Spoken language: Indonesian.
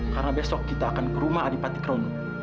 karena besok kita akan ke rumah adipati krono